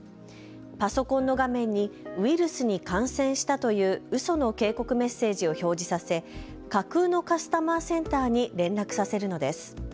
パソコンの画面にウイルスに感染したといううその警告メッセージを表示させ架空のカスタマーセンターに連絡させるのです。